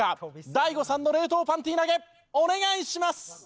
大悟さんの冷凍パンティ投げお願いします！